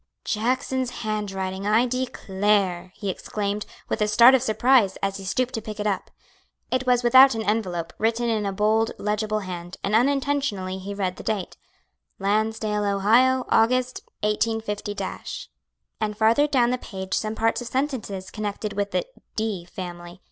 "Jackson's handwriting, I declare!" he exclaimed, with a start of surprise, as he stooped to pick it up. It was without an envelope, written in a bold, legible hand, and unintentionally he read the date, "Lansdale, Ohio, Aug. 185 ," and farther down the page some parts of sentences connected with the "D family"